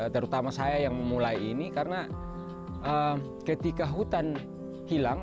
terutama saya yang memulai ini karena ketika hutan hilang